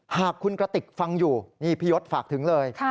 หากคุณกระติกฟังอยู่นี่พี่ยศฝากถึงเลย